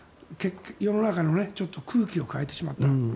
世の中の空気を変えてしまった。